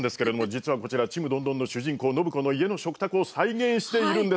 実はこれ「ちむどんどん」の主人公暢子の家の食卓を再現しているんです。